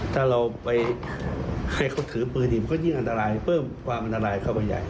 ถ้าเราไปให้เขาถือปืนอีกมันก็ยิ่งอันตรายเพิ่มความอันตรายเข้าไปใหญ่